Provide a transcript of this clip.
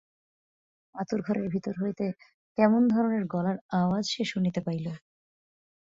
আঁতুড় ঘরের ভিতর হইতে কেমন ধরণের গলার আওয়াজ সে শুনিতে পাইল।